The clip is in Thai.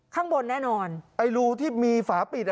ข้างบนแน่นอนไอ้รูที่มีฝาปิดอ่ะ